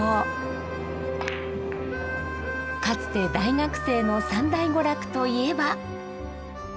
かつて大学生の三大娯楽といえば。